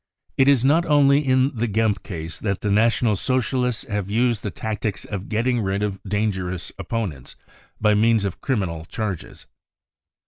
It is not only in the Gempp case that the National Socialists have used the tactics of getting rid of dangerous opponents by means of criminal charges.